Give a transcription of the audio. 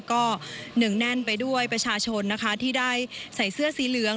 ก็เนื่องแน่นไปด้วยประชาชนนะคะที่ได้ใส่เสื้อสีเหลือง